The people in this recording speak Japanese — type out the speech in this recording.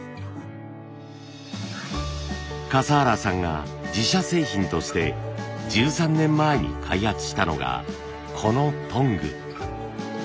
笠原さんが自社製品として１３年前に開発したのがこのトング。